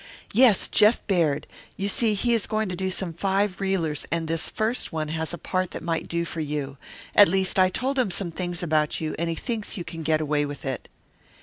"Yes, Jeff Baird. You see he is going to do some five reelers and this first one has a part that might do for you. At least, I told him some things about you, and he thinks you can get away with it."